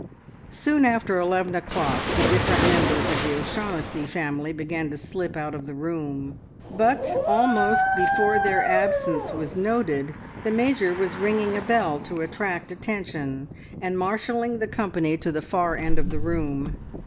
Soon after eleven o'clock the different members of the O'Shaughnessy family began to slip out of the room, but almost before their absence was noted, the Major was ringing a bell to attract attention and marshalling the company to the far end of the room.